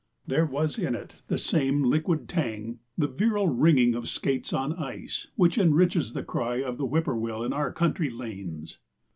There was in it the same liquid tang, the virile ringing of skates on ice, which enriches the cry of the whip poor will in our country lanes.